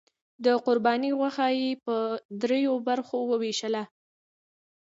د قربانۍ غوښه یې په دریو برخو وویشله.